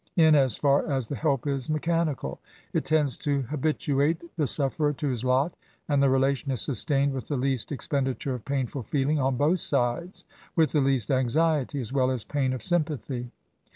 In as far as the help is mechanical, it tends to habituate the sufferer to his lot, and the relation is sustained with the least expenditure of painful feeling on both sides, — with the least anxiety, as weU as pain of sympathy.